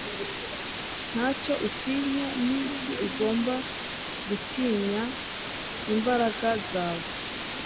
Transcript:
Nta cyo utinya ni iki ugomba gutinyaImbaraga zawe